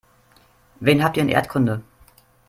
Wen habt ihr in Erdkunde?